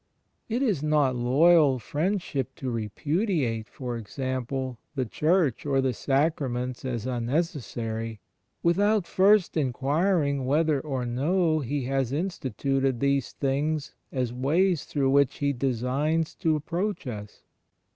It is not loyal friendship to repudiate, for ex ample, the Church or the Sacraments as unnecessary, without first inquiring whether or no He has instituted CHRIST IN THE EXTERIOR 47 these things as ways through which He designs to approach us.